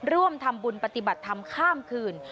ร่วมทำบุญปฏิบัติธรรมข้ามคืน